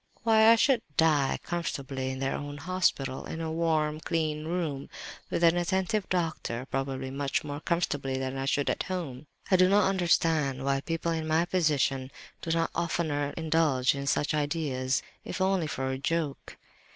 Why, I should die comfortably in their own hospital—in a warm, clean room, with an attentive doctor—probably much more comfortably than I should at home. "I don't understand why people in my position do not oftener indulge in such ideas—if only for a joke!